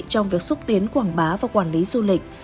trong việc xúc tiến quảng bá và quản lý du lịch